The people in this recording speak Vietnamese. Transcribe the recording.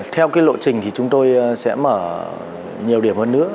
theo cái lộ trình thì chúng tôi sẽ mở nhiều điểm hơn nữa